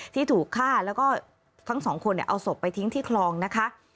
ที่ถูกฆ่าแล้วก็ทั้งสองคนเอาศพไปทิ้งที่คลองนะคะ